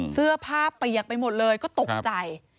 เสื้อผ้าเปียกไปหมดเลยก็ตกใจ